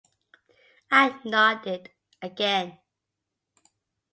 I nodded again.